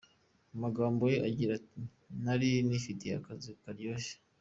Mu magambo ye agira ati “nari nifitiye akazi karyoshye.